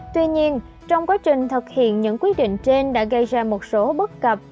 tuy nhiên trong quá trình thực hiện những quyết định trên đã gây ra một số bất cập